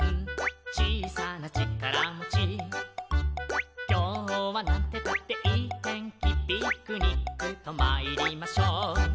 「ちいさなちからもち」「きょうはなんてったっていいてんき」「ピクニックとまいりましょう」